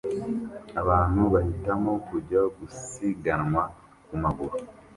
abantu bahitamo kujya gusiganwa ku maguru